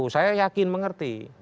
saya yakin mengerti